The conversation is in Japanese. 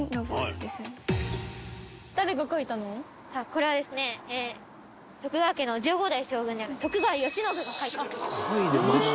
これはですね徳川家の１５代将軍である徳川慶喜が書いたんです。